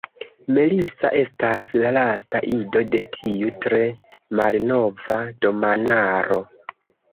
Melissa estas la lasta ido de tiu tre malnova domanaro.